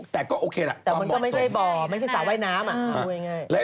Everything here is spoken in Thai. แต่มันก็ไม่ใช่บ่อไม่ใช่สาวไว้น้ำ